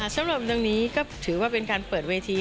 สำหรับดังนี้ก็ถือว่าเป็นการเปิดเวที